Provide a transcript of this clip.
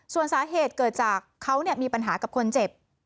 ส่วนสาเหตุเกิดจากเขามีปัญหากับคนเจ็บ